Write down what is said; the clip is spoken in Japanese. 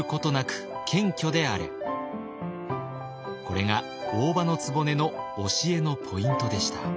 これが大姥局の教えのポイントでした。